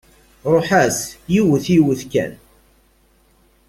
Ruḥ-as yiwet yiwet kan.